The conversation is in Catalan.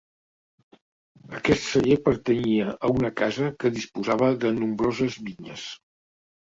Aquest celler pertanyia a una casa que disposava de nombroses vinyes.